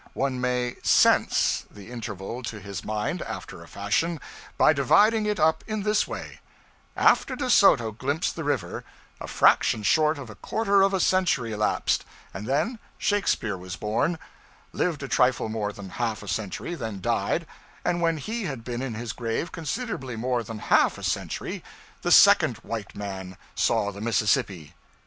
One may 'sense' the interval to his mind, after a fashion, by dividing it up in this way: After De Soto glimpsed the river, a fraction short of a quarter of a century elapsed, and then Shakespeare was born; lived a trifle more than half a century, then died; and when he had been in his grave considerably more than half a century, the _second _white man saw the Mississippi.